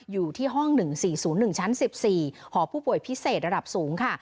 อยู่ที่ห้องหนึ่งสี่ศูนย์หนึ่งชั้นสิบสี่หอผู้ป่วยพิเศษระดับสูงค่ะ